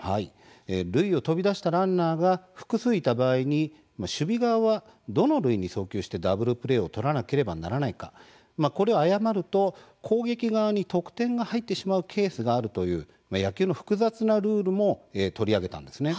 塁に飛び出したランナーが複数いた場合に守備側がどの塁に送球してダブルプレーを取らなければならないかこれを誤ると攻撃側に得点が入ってしまうケースがあるという野球の複雑なルールも取り上げたんですね。